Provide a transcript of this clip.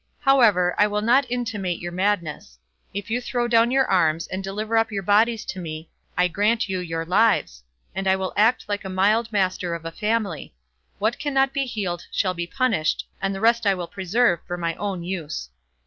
However, I will not imitate your madness. If you throw down your arms, and deliver up your bodies to me, I grant you your lives; and I will act like a mild master of a family; what cannot be healed shall be punished, and the rest I will preserve for my own use."